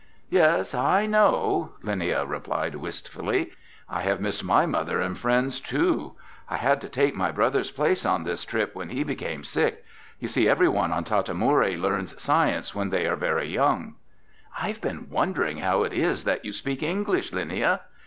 "Yes, I know," Linnia replied wistfully. "I have missed my mother and friends too. I had to take my brother's place on this trip when he became sick. You see, everyone on Tata Moori learns science when they are very young." "I've been wondering how it is that you speak English, Linnia."